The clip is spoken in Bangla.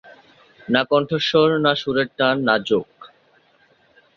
না কন্ঠস্বর, না সুরের টান, না ঝোঁক।